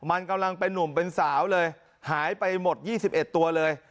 มันกำลังเป็นนุ่มเป็นสาวเลยหายไปหมด๒๑ตัวเลย